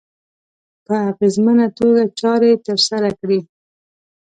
په اغېزمنه توګه چارې ترسره کړي.